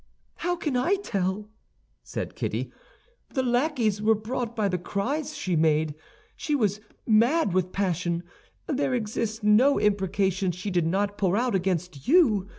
"How can I tell!" said Kitty. "The lackeys were brought by the cries she made. She was mad with passion. There exist no imprecations she did not pour out against you.